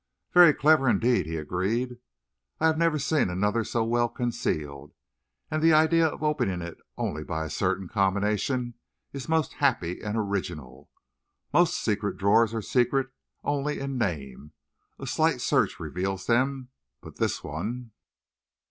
"Very clever indeed," he agreed. "I have never seen another so well concealed. And the idea of opening it only by a certain combination is most happy and original. Most secret drawers are secret only in name; a slight search reveals them; but this one...."